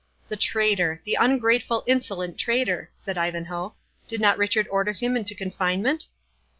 "The traitor! the ungrateful insolent traitor!" said Ivanhoe; "did not Richard order him into confinement?"